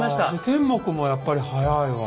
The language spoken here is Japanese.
天目もやっぱり早いわ。